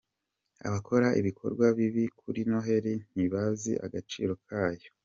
Abakora ibikorwa bibi kuri Noheli ntibazi agaciro kayo